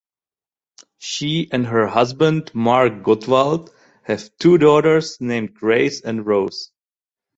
She and her husband, Mark Gottwald, have two daughters named Grace and Rose.